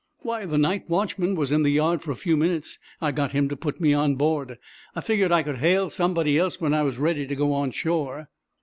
"Why, the night watchman was in the yard for a few minutes, and I got him to put me on board. I figured I could hail somebody else when I was ready to go on shore."